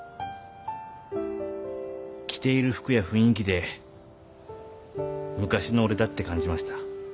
着ている服や雰囲気で昔の俺だって感じました。